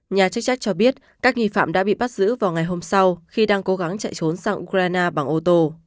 nhà chức trách cho biết các nghi phạm đã bị bắt giữ vào ngày hôm sau khi đang cố gắng chạy trốn sang ukraine bằng ô tô